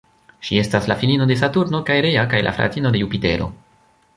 Ŝi estas la filino de Saturno kaj Rea kaj la fratino de Jupitero.